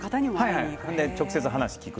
直接話を聞く。